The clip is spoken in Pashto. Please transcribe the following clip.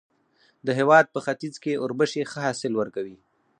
د هېواد په ختیځ کې اوربشې ښه حاصل ورکوي.